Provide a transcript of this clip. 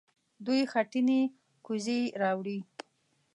دوې خټينې کوزې يې راوړې.